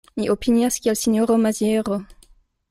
Mi opinias kiel sinjoro Maziero.